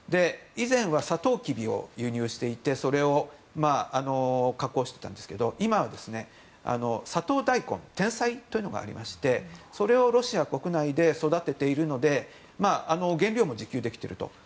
以前はサトウキビを輸入していてそれを加工していたんですけど今はサトウダイコンてんさいというのがありましてそれをロシア国内で育てているので原料も自給できていると。